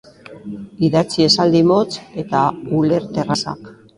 Idatzi esaldi motz eta ulerterrazak.